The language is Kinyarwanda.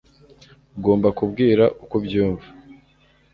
Ugomba kubwira uko ubyumva